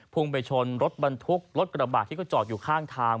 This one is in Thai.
พุ่งไปชนรถบรรทุกรถกระบาดที่เขาจอดอยู่ข้างทาง